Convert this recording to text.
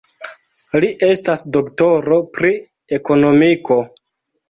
Li estas doktoro pri ekonomiko.